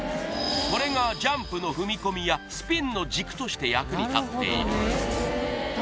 これがジャンプの踏み込みやスピンの軸として役に立っている